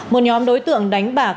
một nhóm đối tượng đánh bạc